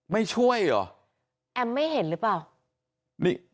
ไม่ช่วยเหรอแอมไม่เห็นหรือเปล่านี่